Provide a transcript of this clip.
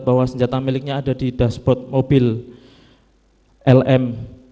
bahwa senjata miliknya ada di dashboard mobil lm